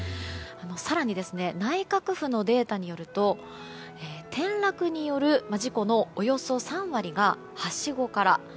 更に、内閣府のデータによると転落による事故のおよそ３割がはしごから。